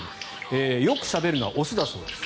よくしゃべるのは雄だそうです。